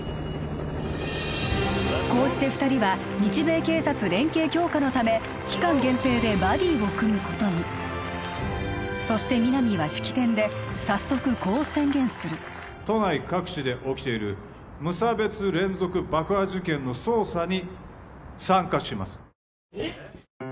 こうして二人は日米警察連携強化のため期間限定でバディを組むことにそして皆実は式典で早速こう宣言する都内各地で起きている無差別連続爆破事件の捜査に参加します・えっ！？